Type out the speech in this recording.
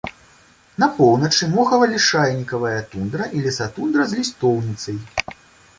На поўначы мохава-лішайнікавая тундра і лесатундра з лістоўніцай.